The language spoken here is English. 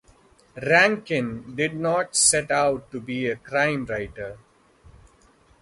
Rankin did not set out to be a crime writer.